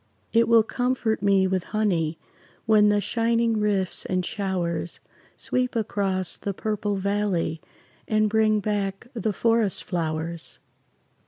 It will comfort me with honey When the shining rifts and showers Sweep across the purple valley And bring back the forest flowers.